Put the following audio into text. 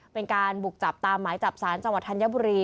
เป็นการบุกจับตามหมายจับสารจังหวัดธัญบุรี